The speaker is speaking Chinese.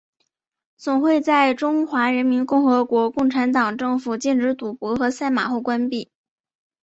总会在中华人民共和国共产党政府禁止赌博和赛马后关闭。